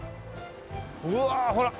うわあほら！